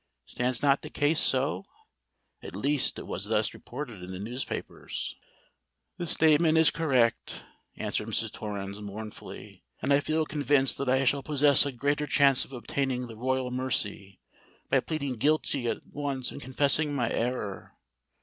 Stands not the case so? At least, it was thus reported in the newspapers." "The statement is correct," answered Mrs. Torrens, mournfully; "and I feel convinced that I shall possess a greater chance of obtaining the royal mercy, by pleading guilty at once and confessing my error.